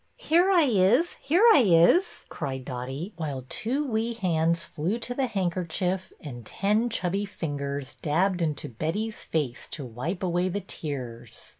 '' Here I is, here I is !" cried Dotty, while two wee hands flew to the handkerchief and ten chubby fingers dabbed into Betty's face to wipe away the tears.